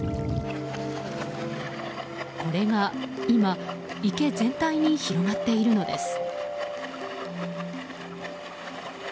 これが今、池全体に広がっているのです。